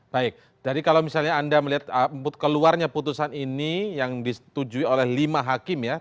jadi kalau misalnya anda melihat keluarnya putusan ini yang ditujui oleh lima hakim ya